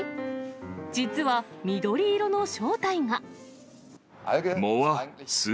実は緑色の正体が。